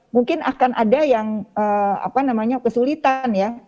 mungkin akan ada yang apa namanya kesulitan ya